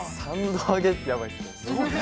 ◆３度揚げってやばいですね。